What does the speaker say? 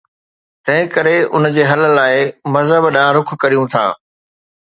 تنهنڪري ان جي حل لاءِ مذهب ڏانهن رخ ڪريون ٿا.